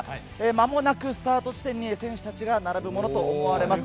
まもなくスタート地点に選手たちが並ぶものと思われます。